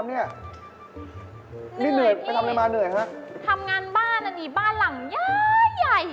ทำงานบ้านน่ะสิบ้านหลังย้าย